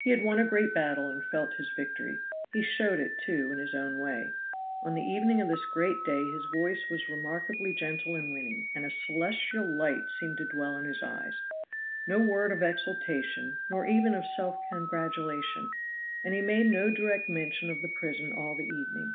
He had won a great battle and felt his victory. He showed it, too, in his own way. On the evening of this great day his voice was remarkably gentle and winning, and a celestial light seemed to dwell in his eyes; no word of exultation, nor even of self congratulation; and he made no direct mention of the prison all the evening.